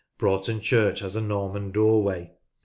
Broughton Church has a Norman doorway.